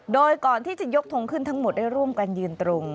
โดยก่อนที่จะยกทงขึ้นทั้งหมดได้ร่วมกันยืนตรง